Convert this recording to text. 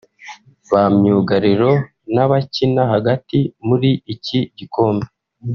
ba myugariro n’abakina hagati muri iki gikombe